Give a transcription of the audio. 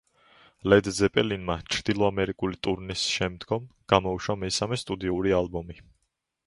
ლედ ზეპელინმა ჩრდილო ამერიკული ტურნეს შემდგომ გამოუშვა მესამე სტუდიური ალბომი.